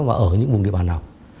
và ở những vùng địa bàn nào